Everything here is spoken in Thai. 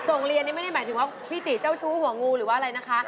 ส่งเรียนนี่ไม่ได้หมายถึงว่าพี่ติเจ้าชู้หัวงูหรือว่าอะไรนะคะ